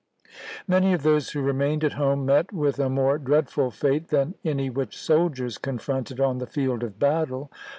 Many of those who remained at home met with a more dreadful fate than any which soldiers con fronted on the field of battle.